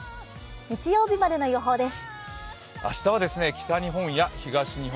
日曜日までの予報です。